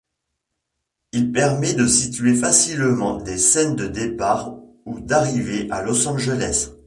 Il permet de situer facilement des scènes de départ ou d’arrivée à Los Angeles.